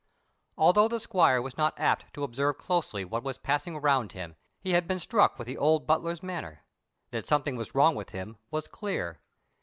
Although the squire was not apt to observe closely what was passing around him, he had been struck with the old butler's manner; that something was wrong with him was clear.